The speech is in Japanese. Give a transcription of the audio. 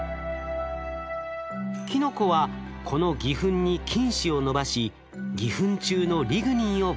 キノコはこの偽ふんに菌糸を伸ばし偽ふん中のリグニンを分解。